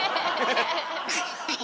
はい。